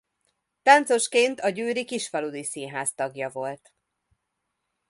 Táncosként a győri Kisfaludy Színház tagja volt.